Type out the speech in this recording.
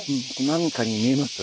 何かに見えます？